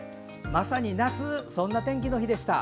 まさに夏そんな天気の日でした。